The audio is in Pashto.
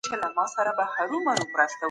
که تاريخ ونه لولو نو تېروځو.